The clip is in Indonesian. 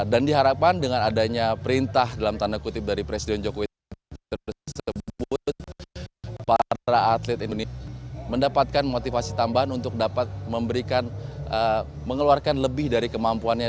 dan diharapkan dengan adanya perintah dalam tanda kutip dari presiden jokowi tersebut para atlet indonesia mendapatkan motivasi tambahan untuk dapat memberikan mengeluarkan lebih dari kemampuannya